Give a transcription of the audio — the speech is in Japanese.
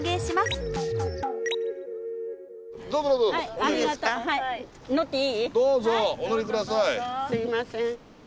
すいません。